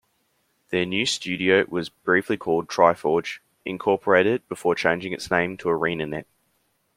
Their new studio was briefly called Triforge, Incorporated before changing its name to ArenaNet.